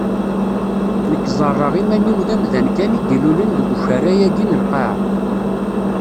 Nekk ẓerreɣ iman-iw d amdan kan i d-ilulen deg ukerra-agi n lqaɛa.